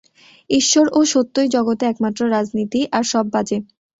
ঈশ্বর ও সত্যই জগতে একমাত্র রাজনীতি, আর সব বাজে।